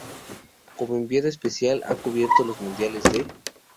Como enviado especial ha cubierto los mundiales de